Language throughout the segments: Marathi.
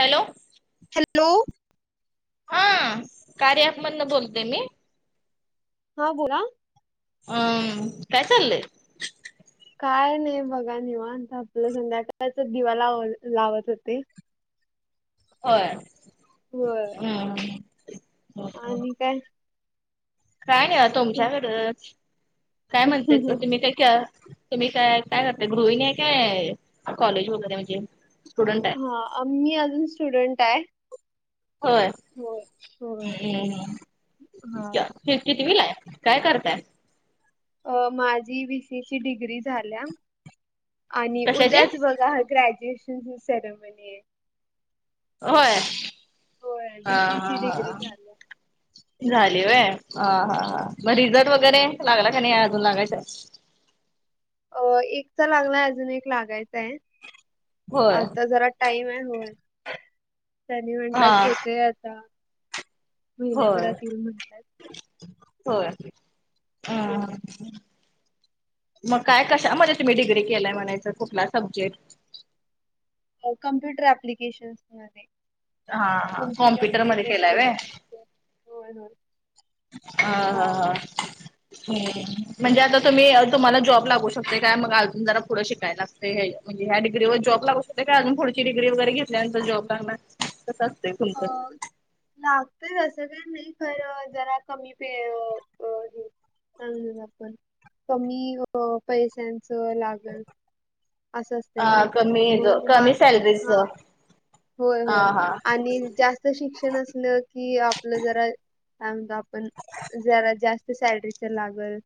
हॅलो. हॅलो. हा कार्य ऐप मदन बोलते मी. हा बोला. हम्म काय चाललेय? काय नाही बघा निवण तर आपलं संध्याकाळच दिवा लाव लावत होते. हो होय हम्. आणि काय? काय नाही तुमच्याकडच काय म्हणतेय तुम्ही काय क तु म्ी काय काय करता ग्रुईंग आहे काय कॉलेज वगैरे म्हणजे स्टुडंट आहे? हा मी अजून स्टुडंट आहे. होय. होय होय हा कीतवी ला आहे? काय करताय? अ माझी वि. डिग्री झाल्या आणि कशाचे उद्याच बघा ग्रॅज्युएशन. ह सेरमणी. होय होय हा बी सी हा ची डिग्री हा. झाली. [inaudible] झाली वय ह हा हां मग रिझल्ट वगैरे लागला का नाही अजून लागायचं? अ एकचा लागलाय अजून एक लागायचय होय आता जरा. टाईम आहे होय त्यांनी हा म्हटलात येतय आता. होय महिन्याभरात येऊ म्हणतात. होय हा. होय. [inaudible] मग काय कशा म्हजे तुम्ही डिग्री केलाय म्हणायचं कुठला सब्जेक्ट? कम्प्युटर अऍप्लिकेशन्स मध्ये. हा हा कम्प्युटर कॉम्प्युटरमध्ये रिलेटेड केला जे होय. काय असते होय होय. हा हा हा. म्हणजे आता तुम्ही तुम्हाला जॉब लागू शकते काय मग अजून जरा पुढं शिकायला लागते हे. म्हणजे या डिग्री वर जॉब लागू शकतो काय अजून पुढची डिग्री वगैरे घेतल्यानंतर जॉब लागणार? कस असतंय खुमचं. लागत असं काही नाही खर जरा कमी पेळ हे. आपण कमी पैशांचं लाग. हा कमी मग कमी मास सॅलरीज. हा [unintelligible] होय होय आणि जास्त शिक्षण असलं की आपलं जरा त्या आपण जरा जास्त सॅलरीच लागल.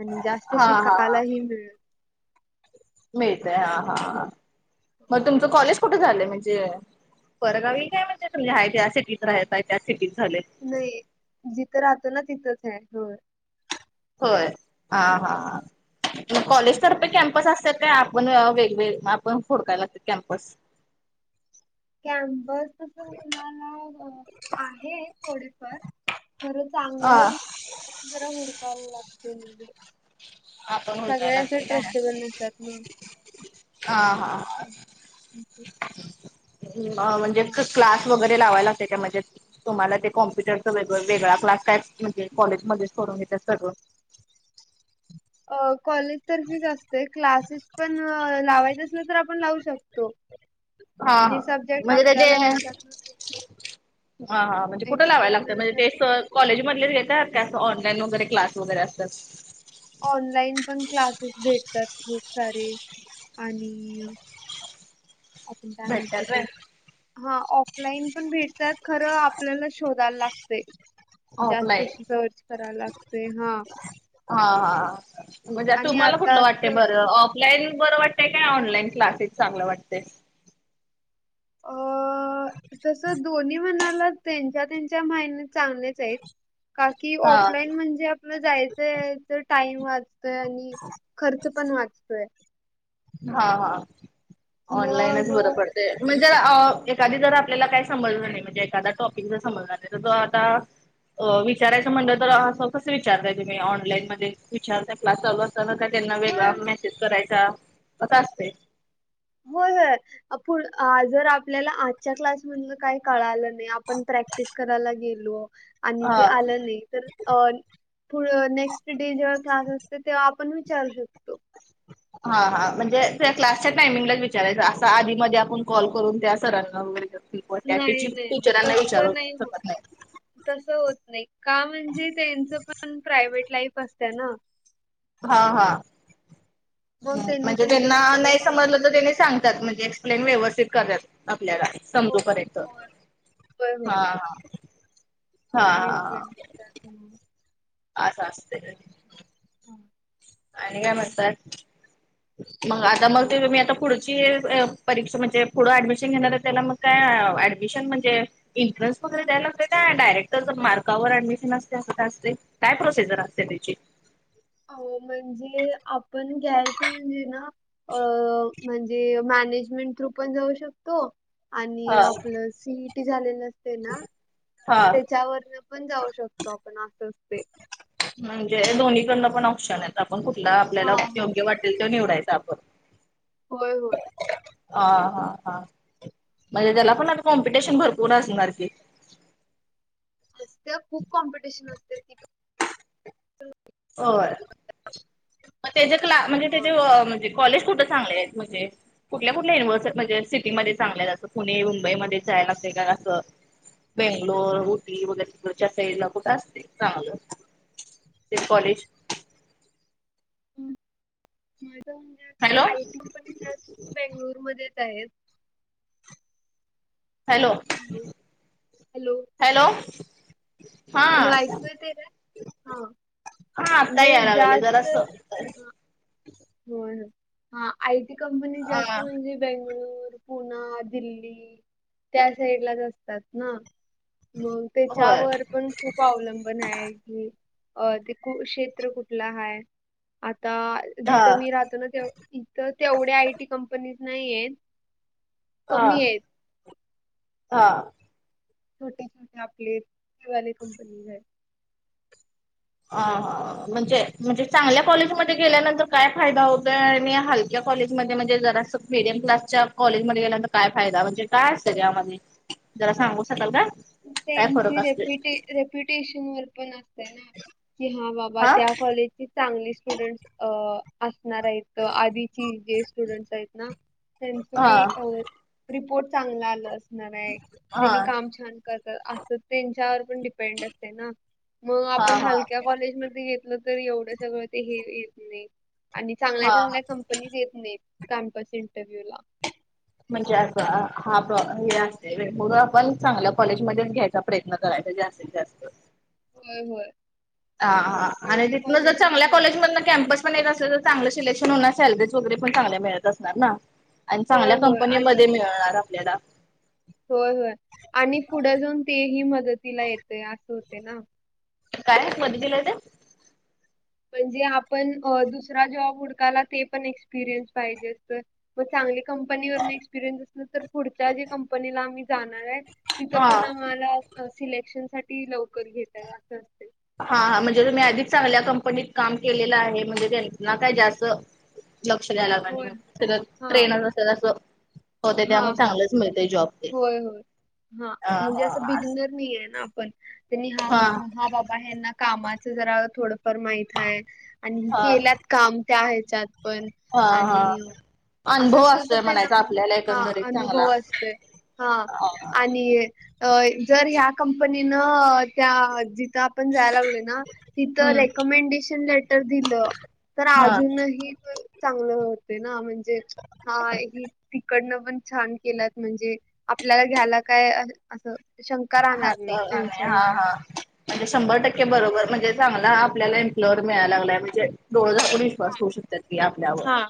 आणि जास्त हा हा शिकायलाही मिळेल. मिळतय हा हा. हा [inaudible] मग होय. तुमचं कॉलेज कुठं झालंय म्हणजे? परगावी काय म्हणजे तय त्या सिटीत राहताय त्या सिटीत झाले. नाही जिथं राहतो ना तिथंच आहे हो. होय हा हा मग असं आहे. कॉलेजतर्फे कॅम्पस असतात. ते आपण वेगवेग आपण फोडकाय लागत कॅम्पस. कॅम्पस तस म्हणाला. अ आहे थोडेफार खरं हा. चांगलं. दर हुडकायला लाते. आपण हुडकायला सगळे असे लागते काय? ट्रस्टेबल नसत ना. हा हा. [inaudible] हा म्हणजे क्लास वगैरे लावायला असते त्या म्हणे. तुम्हाला ते कॉम्प्युटरच वेग वेगळा क्लास काय म्हणजे कॉजमध्येच करून घेता सगळं. अ कॉलेज तर फीच असते क्लासेस पण लावायचं असल तर आपण लावू शकतो. हा हा जे सब्जेक्ट म्हणजे त्याचे आपल्याला नसत हा हां म्हणजे कुठं लावायला लागतं एक्स्टर्नल म्हणजे तेस कॉलेजमधच घ येतात का असं ऑनलाईन वगैरे क्लास वगैरे असतात ऑनलाईन पण क्लासेस भेटतात खूप सारे आणि आपण काय म्हणत भेटतात व्हय ते हा ऑफलाईन पण भेट त्यात खरं आपल्याला शोधायला लागते जास्त ऑफलाईन श सर्च कराला लागतेय हा हा हा म्हणजे आणि तुम्हाला कुठलं आताच वाटते बरं लाईन बरं वाटतय काय ऑनलाईन क्लासेस चांगलं वाटतेय अ तसं दोन्ही म्हणालात त्यांच्या त्यांच्या माहिने चांगलेच आहेत काकी हा ऑफलाईन म्हणजे आपलं जायचं आहे तर टाइम वाचतोय आणि खर्च पण वाचतोय हा हा ऑनलाईनच मग बरं पडतंय म्हणजे जर एखादी जर आपल्याला काय समजलं नाही म्हणजे एखादा टॉपिक जर समजला नाही तर जो आता अ विचारायचं म्हणलं तर असं कसं विचारताय तुम्ही ऑनलाईन मध्ये विचारताय क्लास चालूत का त्यांना होय वेगळा मेसेज करायचा कसं असतंय होय होय आपण जर आपल्याला आजच्या क्लासमधलं काही कळालं नाही आपण प्रॅक्ट प्रॅक्टिस करायला गेलो आणि ते हा आलं नाही तर अ पुढं नेक्स्ट डे जेव्हा क्लास असते तेव्हा आपण विचारू शकतो [unintelligible] हा हा म्हणजे त्या क्लासच्या टायमिंगलाच विचारायचं असं आधी मधी आपण कॉल करून त्या सरांना वगैरे त्या नाही नाही नाही टीचरांना तसं होत. विचारूशकत नाही तसं होत नाही का म्हणजे त्यांचं पण प्रायव्हेट लाईफ असतं ना हा हा मग त्यांनी म्हणजे पण त्यांना त्यांच हे नाही बघ समजलं तर त्यानी हो सांग सांगतात म्हणजे एक्सप्लेन व्यवस्थित करतात आपल्याला समजूपर्यंत होय हा हा हा एक्सप्लेन करतात म असं असतंय हम् आणि काय म्हणताय मग आता मग ते आणि मी आता पुढं ची परीक्षा म्हणजे पुढे ऍडमिशन घेणार त्याला मग काय ऍडमिशन म्हणजे एंट्रन्स वगैरे द्याय लागते काय डायरेक्ट जर मार्कावर ऍडमिशन असते असं का असते काय प्रोसिजर असते त्याची अ म्हणजे आपण घ्यायचं म्हणजे ना अ म्हणजे मॅनेजमेंट थ्रू पण जाऊ शकतो आणि हा आपलं सीईटी झालेलं असते ना हा. त्याच्यावर पण जाऊ शकतो आपण असं असते म्हणजे दोन्हीकडनं पण ऑप्शन आहेत आपण कुठला हा आपल्याला होय. योग्य वाटेल तो निवडायचा आपण होय होय हा हा हा म्हणजे त्याला पण आता कॉम्पिटिशन भरपूर असणार की असतात खूप कॉम्पिटिशन असतात ति होय मग त्याच्या कला म्हणजे पण होय. त्याचे म्हणजे कॉलेज कुठं चांगले आहेत म्हणजे कुठल्या कुठल्या युनिव्हर्सिट म्हणजे सिटीमध्ये चांगल्या जसं पुणे मुंबईमध्ये जायला असते का असं बेंगलोर, उटी वगैरेच्या साईडला कुठे असते चांगलं ते कॉलेज माझं म्हणजे आता हॅलो आयटी कंपनी जास्त बेंगळुरूमध्येच आहेत हॅलो हॅलो हॅलो हा हॅलो ऐकू येतय काय हा हा आता म्हणजे या लागले जरासं. जास्त होय हा आयटी कंपनी जास्त हा म्हणजे. बेंगळूर पुना दिल्ली त्या साईड लाच असतात ना. मग होय त्याच्यावर पण. खूप अवलंबन आहे कि अ ते कुरूक्षेत्र कुठलं आहे. आता. हा जिथं मी राहतो ना ते इथं तेवढ्या आयटी कंपनीज नाही आहेत. [inaudible] हा आहेत हा. छोटे-छोटे आपलेवाले कंपनीज आहे. अ म्हणजे म्हणजे चांगल्या कॉलेजमध्ये गेल्यानंतर. काय फायदा होतो आणि हलक्या कॉलेजमध्ये म्हणजे जरा अस मिडियम क्लासच्या कॉलेजमध्येध्ये गेल्यांत. काय फायदा म्हणजे काय असत त्यामध्ये जरा सांगू शकाल का? काय फरक त्यांची असतोय रेप्युटे रेप्युटेशन वर पण असते. की हा बाबा त्या कॉलेजची चांगली स्टुडंट् असणार आहेत. तर आधीची जे स्टुडंट्स आहेत ना त्यांच हा ते. रिपोर्ट चांगला आलं असणार आहे क हा त्यांनी काम छान. अस त्यांच्यावर पण डिपेंड असते ना मग हा आपण हा हलक्या कॉलेजमध्ये. एवढ सगळं ते येत नाही चांग हा चग. येत नाही कमपस इंटरव्ह्यू. म्हणजे अस हा अस म्हणून आपण चांगलं‌ कॉलेजमध्येध्ये घ्यायचा प्रयत्न करायचा जास्तीत जास्त. होय होय. ह आणि चांगल्या तिथन जर कॉलेजेस चगल्या निवडून कॉलेजमधन कॅम्पस. ण तर चांगलं सिलेक्शन होणार सॅलरीज वगरे पण चांगल्या मिळत असणार ना. आणि होय चांगल्या होय आणि कंपनीमध्ये मिळणार आपल्याला. होय होय आणि पुढं जाऊन तेही मदतीला येतंय असं होते ना. काय आहे मदतीला ते. म्हणजे आपण दुसरा जॉब उडकायला ते पण एक्सपिरियन्स पाहिजे असत. मग चांगली कंपनी वन एक्सपिरियन्स असल तर पुढच्या जी कंपनीला आम्ही जाणार आहे. तिथं हा पण आम्हाला सिलेक्शन साठी लवकर घेतय असं असते. हां हा म्हणजे तुम्ही आधीच चांगल्या कंपनीत काम केलेलं आहे म्हणजे त्यांना काय जास्त. लक्ष द्याय लाग होय हा ट्रेनच असेल असं. होते हा त्यामुळे हा चांगलंच मिळतय जॉब तेन होय होय हा हा असं. आपण त्यांनी हा हा बाबा. कामाच जरा थोडंफार माहित आहे. आणि ह हा. केल्यात काम त्या ह्याच्यात पण हा हा आणि. असं अनुभव असलं तर असतोय त्यांना म्हणायचा आपल्याला. हा एकंदरीत अनुभव चांगला. असत हा. जर ह कंपनी त्या ज. पण जायला लागले ना तिथ हम्म रेकमेंडेशन लेटर दिलं. तर हा अजूनही चांगलं होते ना म्हणजे हा ह. कडन पण छान केलं म्हणजे आपल्याला घ्याला काय असं. शंका हा राहणार नाही त्यांच्या हा ह्याच्यात. हा. म्हणजे शंभर टके बरोबरणजेांग आपल्यालाम्लॉयर मिळाय लागय म्हणजे डोळं झा आपून विश्वास ठऊ शको. आपल्यावर हा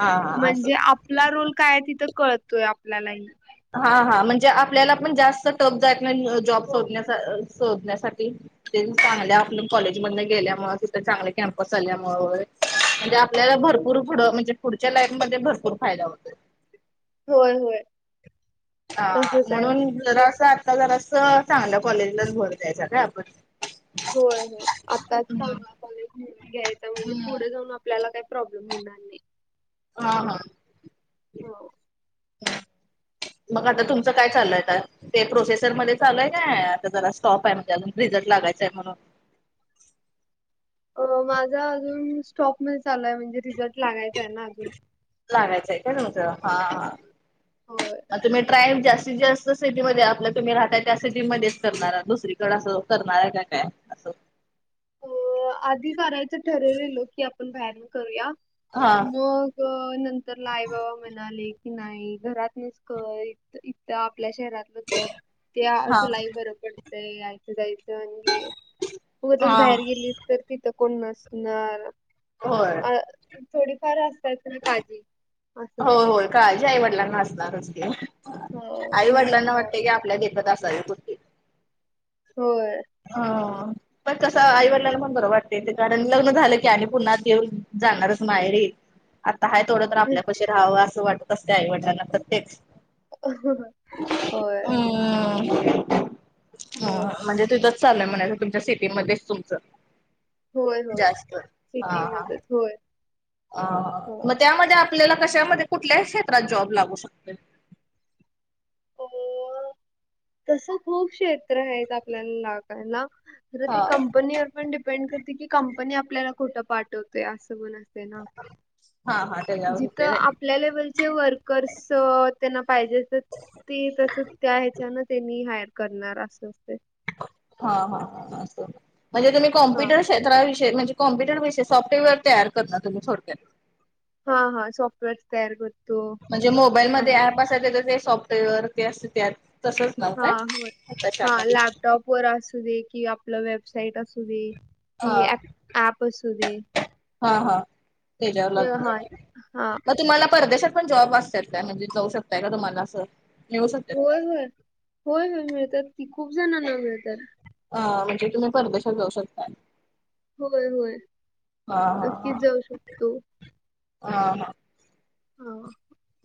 हा हा अस. म्हणजे आपला रोल काय तिथं कळतोय आपल्यालाही. हा हा म्हणजे आपल्याला पण जास्त टफ जयत नाही जॉबो होय शोधण्यासाठी. ते. [inaudible] चांगल्या आपल्या कॉलेज मध गेल्यामुळे तिथं चांगले कॅमपस आल्यामुळे म्हणजे. आपल्याला भरपूर पुढं म्हणजे पुढच्या लाईफमध्येध्ये भरपूर फायदा होत. होय होय. हा तसच आहे. म्हणून जरा असं आता जरा अस चांगल्या कॉलेजलाच भर द्यायचा काय आपण. होय होय आताच चांगला कॉलेजून घ्यायचा म्हणजे पुढे जाऊन. आपल्याला काही प्रॉब्लेम होणार नाही. हा हा. ह [inaudible] मग आता तुमचं काय चाललंय. ते प्रोसेसरमध्येध्ये चालय आता जरा स्टॉप आहे म्हणजे अजून रिझल्ट लागायचंय म्हणून. अ माझा अजून स्टॉक म चाललाूय म्हणजे रिझल्ट लागायचा आहे ना अजून. लागायचं आहे का हा होय हा. तुम्ही ट्राईम जास्तीत जास्त सेटीमध्ये आपलं तुम्ही राहताय त्या सेटमध्येच करणार दुसरी. थोडास करणार आहे का काय असं. अ आधी करायचं ठरवलेलंो की आपण बाहेरन करूया हा मग. नंतरला आई बाबा म्हणाले की नाही घरात नस कर इत आपल्या शहरात. न कर ते हा तुलाही बरं पडतंय यायचं जायचं आणि. उगचच हा बाहेर गेलीस तर तिथं कोण नसणार. होय. अ थोडीफार असतयेत ना काजी. हो हो काळजी आईवडलांना असणारचते. ह म्हणून. देत असल. होय. हो पण कस हम्म. आईवडला. बरं वाटते ते कारण लग्न झालं की आणि पुन्हा येऊन जाणारच मायरी. आता आहे थोडं तर आपल्या कशी राहावं असं वाटत असते आईवडिलांना प्रत्येच. होय. हम् होय ह म्हणजे. तिथंच चाललंय म्हणायच तुमच्या सिटीमध्येच तुमच होय होय जास्त हा हा. सिटीमध्येच होय अ हो मग त्यामध्ये आपल्याला कशामध्ये कुठल्याही क्षेत्रात जॉब लागू शकते. तस खूप क्षेत्र आहे आपल्याला लागायला तर ते हा कंपनीवर. पण डिपेंड करते की कंपनी आपल्याला कुठं पाठवत्या. [inaudible] हा हा त्याच्यावर जीथ होतंय आप व्हय आपल्या लेवलचे वर्कर्स त्यांना पाहिजे. ते तस त्या ह्याच्यान त्यांनी हायर करणार असं असते. हा ह म्हणजे तुम्ही हा कॉम्प्युटर. क्ष्राविष म्हजे कम्पुटर विषय सॉफ्टवेअर तयार करणार तुम् थोडक्या. हा हा सॉफ्टवेअरस तयार करते. म्हणजे मोबाईलमध्येध्ये ऍप असाय सॉफ्टवेअर ते अस तसंच्. हा हो हा लॅपटॉप. वर असू दे कि आपलं वेबसाईट असू दे हा कि ऍप असूदे. हा हा त्याच्यावरग हा हा मग तुम्हाला परदेशात. पण जॉब असतात काय म्हणजे जाऊ शकताय का तुम्हाला असं. मिळू शकतात काय? होय होय होय होय मिळतात की खूप जणांना मिळत. अ म्हणजे तुम्ही परदेशात जाऊ शकता. होय होय हा हा नक्कीच जाऊ शकतो. हा हा. हो.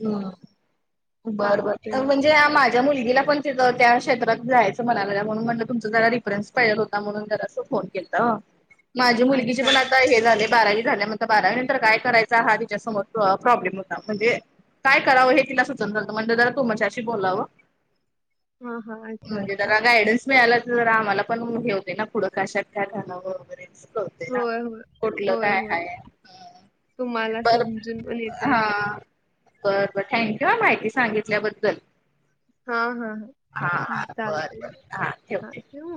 हम् बरं बर तर चालतय म्हणजे. ज माझ्या मुलगीला पण त्या क्षेत्रात जायचं म्हणाला म्हणून म्हटलं तुमचं त्यारा रिफरन्स. होणून घ फोन के माझी मुलगी अच्छा पण. अच्छा हे झाले बारावी झाल्या, म्हणत बारावी नंतर काय करायचं हा त्यािच्यासमोर प्रो प्रॉब्लेम होता म्हणजे. काय करावं हे तिला सुचनां झांलत म्हनले जरा तूमच्याशी बोलावं. हा हा अच्छा म्हणजे अच्छा त्याला गायडस मिळाला तर आम्हाला पण घेवते ना पुढं काश्यात काय घालावं वगैरे होय होय कुठलं होय काय होय हाय तुम्हाला बर समजून पण येते हा. बरं बरं ठांक्यू ह माहिती सांगितल्याबद्दल. हा हा हा बर चालतय बर हा ठेवते. ठेवू मग